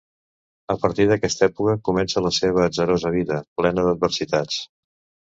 A partir d'aquesta època comença la seva atzarosa vida, plena d'adversitats.